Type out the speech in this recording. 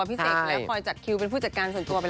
พี่กานพิเศษแล้วคอยจัดคิวเป็นผู้จัดการส่วนตัวไปเลย